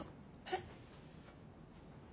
えっ？